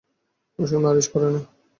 কুসুম নালিশ করে না।